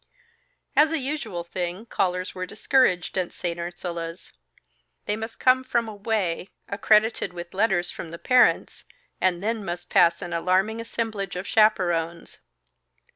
As a usual thing, callers were discouraged at St. Ursula's. They must come from away, accredited with letters from the parents, and then must pass an alarming assemblage of chaperones.